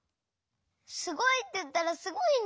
すごいっていったらすごいんだよ！